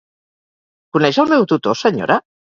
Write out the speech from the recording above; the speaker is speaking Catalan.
Coneix el meu tutor, senyora?